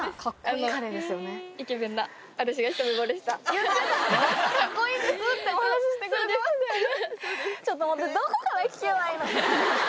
言ってた「かっこいいです」ってお話ししてくれてましたよね。